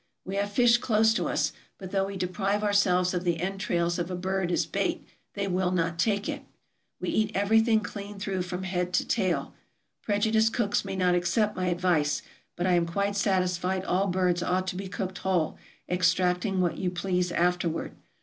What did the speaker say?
We have fish close to us, but though we deprive ourselves of the entrails of a bird as bait, they will not take it. We eat everything clean through 434: TRAVELERS AND EXPLORERS from head to tail. Prejudiced cooks may not accept my advice, but I am quite satisfied all birds ought to be cooked whole, extracting what you please afterward.